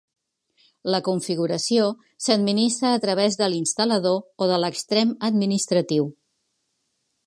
La configuració s'administra a través de l'instal·lador o de l'extrem administratiu.